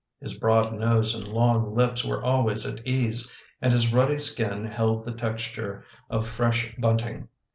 His broad nose and long lips were always at ease and his ruddy skin held the texture of fresh bunting.